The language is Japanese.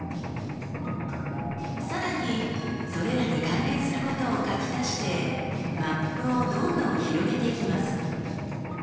更にそれらに関連することを書き足してマップをどんどん広げていきます。